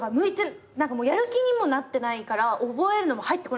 やる気にもなってないから覚えるのも入ってこないんですよ。